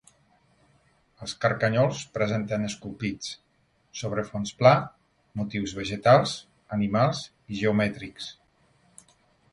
Els carcanyols presenten esculpits, sobre fons pla, motius vegetals, animals i geomètrics.